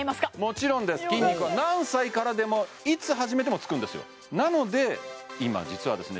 もちろんです筋肉は何歳からでもいつ始めてもつくんですよなので今実はですね